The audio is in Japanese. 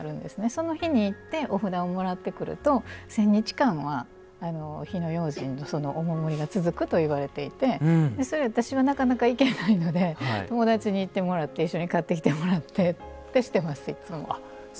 その日にいってお札をもらってくると１０００日間は火の用心のお守りが続くといわれていて私はなかなか行けないので友達に行ってもらって一緒に買ってもらってきています。